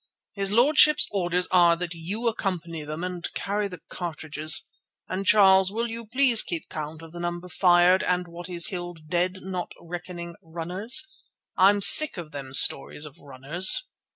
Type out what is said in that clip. His lordship's orders are that you accompany them and carry the cartridges. And, Charles, you will please keep count of the number fired and what is killed dead, not reckoning runners. I'm sick of them stories of runners."